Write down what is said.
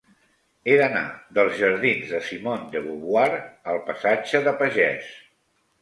He d'anar dels jardins de Simone de Beauvoir al passatge de Pagès.